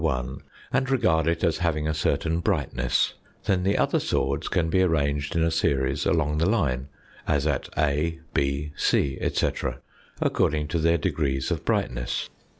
1, and regard it as having a certain brightness, then the other swords can be arranged in a series along the line, as at A, B, c, etc., according to their degrees of brightness.